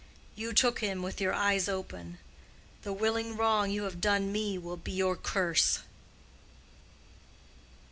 You took him with your eyes open. The willing wrong you have done me will be your curse.